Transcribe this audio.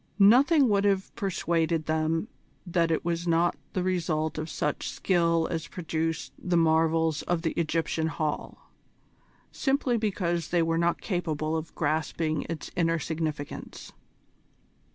Nothing would have persuaded them that it was not the result of such skill as produced the marvels of the Egyptian Hall, simply because they were not capable of grasping its inner significance.